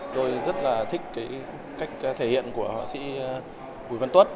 tôi rất là thích cái cách thể hiện của họa sĩ bùi văn tuất